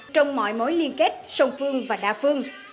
trong mọi mối liên kết song phương và đa phương